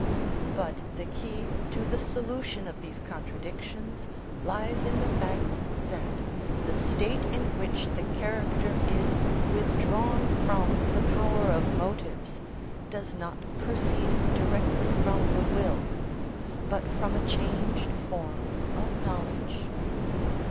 But the key to the solution of these contradictions lies in the fact that the state in which the character is withdrawn from the power of motives does not proceed directly from the will, but from a changed form of knowledge.